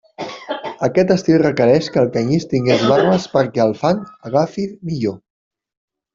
Aquest estil requereix que el canyís tingui barbes perquè el fang agafi millor.